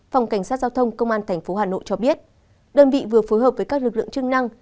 phòng cảnh sát giao thông công an tp hà nội cho biết đơn vị vừa phối hợp với các lực lượng chức năng